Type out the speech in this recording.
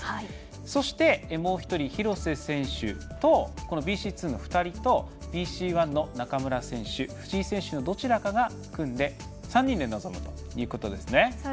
そしてもう１人、廣瀬選手とＢＣ２の２人とＢＣ１の中村選手、藤井選手のどちらかが組んで３人で臨むということです。